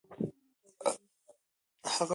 هغه مامور چې ده ته يې د تلو اجازه ورکړه اوس چېرته دی؟